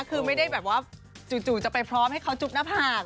คือไม่ได้แบบว่าจู่จะไปพร้อมให้เขาจุ๊บหน้าผาก